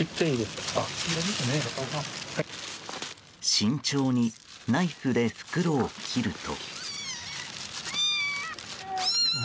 慎重にナイフで袋を切ると。